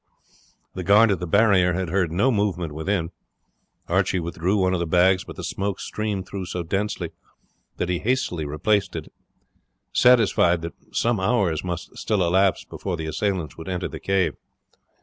The guard at the barrier had heard no movement within. Archie withdrew one of the bags; but the smoke streamed through so densely that he hastily replaced it, satisfied that some hours must still elapse before the assailants would enter the cave.